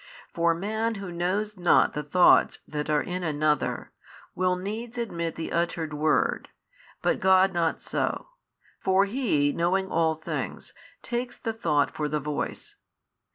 For man who knows not the thoughts that are in another, will needs admit the uttered word, but God not so; for He knowing all things, takes the thought for the voice.